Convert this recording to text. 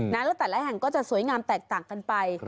แล้วแต่ละแห่งก็จะสวยงามแตกต่างกันไป